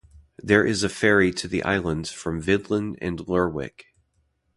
There is a ferry to the islands from Vidlin and Lerwick.